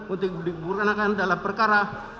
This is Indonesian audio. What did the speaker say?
untuk diperkenalkan dalam perkara